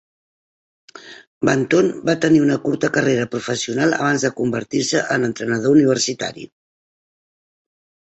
Benton va tenir una curta carrera professional abans de convertir-se en entrenador universitari.